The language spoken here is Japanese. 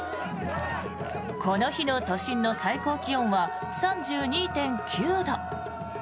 この日の都心の最高気温は３２．９度。